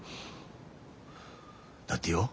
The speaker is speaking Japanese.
だってよ